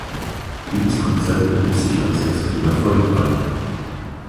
Dieses Konzept erwies sich als extrem erfolgreich.